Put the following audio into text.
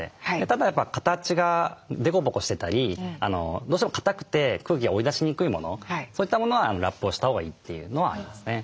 ただ形が凸凹してたりどうしても硬くて空気が追い出しにくいものそういったものはラップをしたほうがいいというのはありますね。